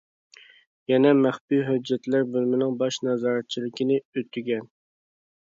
يەنە مەخپىي ھۆججەتلەر بۆلۈمىنىڭ باش نازارەتچىلىكىنى ئۆتىگەن.